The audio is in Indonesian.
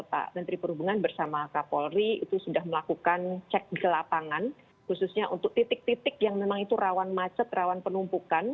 pak menteri perhubungan bersama kapolri itu sudah melakukan cek di lapangan khususnya untuk titik titik yang memang itu rawan macet rawan penumpukan